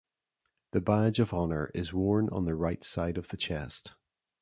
The badge of honor is worn on the right side of the chest.